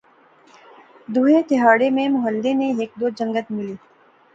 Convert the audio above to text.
دوہے تہاڑے میں محلے نے ہیک دو جنگت ملے